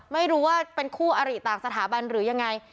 ไม่รู้ว่าเป็นคู่อริต่างสถาบันหรือยังไง